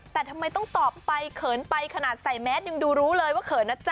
แต่ทำไมต้องตอบไปเขินไปขนาดใส่แมสยังดูรู้เลยว่าเขินนะจ๊